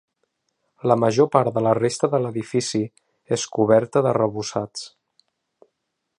La major part de la resta de l'edifici és coberta d'arrebossats.